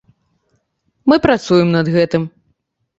Мы працуем над гэтым.